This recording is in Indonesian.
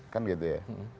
kan gitu ya